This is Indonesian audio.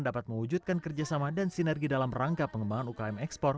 dapat mewujudkan kerjasama dan sinergi dalam rangka pengembangan ukm ekspor